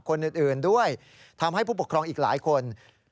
คนอื่นด้วยทำให้ผู้ปกครองอีกหลายคน